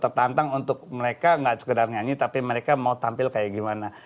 tertantang untuk mereka nggak sekedar nyanyi tapi mereka mau tampil kayak gimana